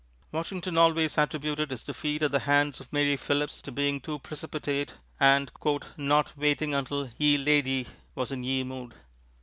Washington always attributed his defeat at the hands of Mary Philipse to being too precipitate and "not waiting until ye ladye was in ye mood."